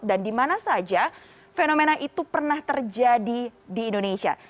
dan di mana saja fenomena itu pernah terjadi di indonesia